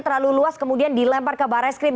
terlalu luas kemudian dilempar ke barai skrim